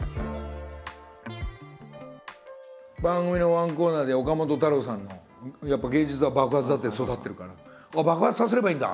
番組のワンコーナーで岡本太郎さんの「芸術は爆発だ！」で育ってるから爆発させればいいんだ！